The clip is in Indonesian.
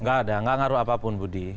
gak ada gak ngaruh apapun budi